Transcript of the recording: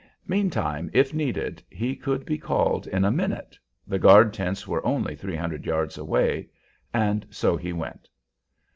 Meantime, if needed, he could be called in a minute, the guard tents were only three hundred yards away, and so he went.